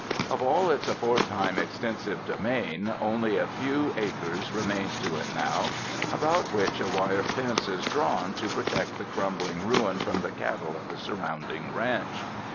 Of all its aforetime extensive domain, only a few acres remain to it now, about which a wire fence is drawn to protect the crumbling ruin from the cattle of the surrounding ranch.